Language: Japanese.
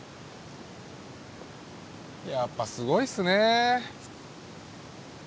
やっぱすごいっすね。